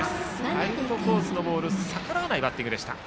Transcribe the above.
アウトコースのボールに逆らわないバッティングでした。